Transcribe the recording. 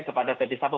kepada ferdis sambo